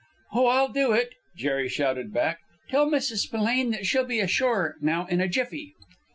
"Oh, I'll do it!" Jerry shouted back. "Tell Mrs. Spillane that she'll be ashore now in a jiffy!"